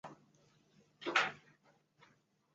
主任苏智良教授及其团队